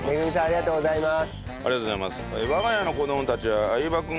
ありがとうございます。